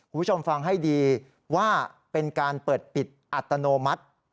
คุณผู้ชมฟังให้ดีว่าเป็นการเปิดปิดอัตโนมัติ